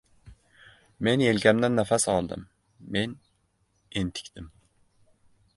Men yelkamdan nafas oldim. Men entikdim.